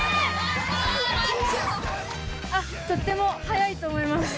あとっても速いと思います。